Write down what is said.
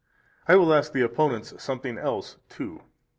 A. I will ask the opponents something else too.